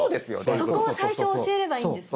そこを最初教えればいいんですね。